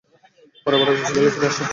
পরে আবার ঢাকা বিশ্ববিদ্যালয়ে ফিরে আসেন।